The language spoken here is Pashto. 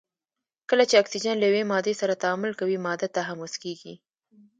کله چې اکسیجن له یوې مادې سره تعامل کوي ماده تحمض کیږي.